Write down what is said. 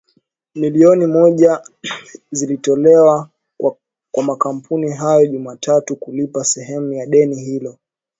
Milioni moja zilitolewa kwa makampuni hayo Jumatatu kulipa sehemu ya deni hilo